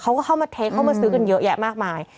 เขาก็เข้ามาเทคเข้ามาซื้อกันเยอะแยะมากมาย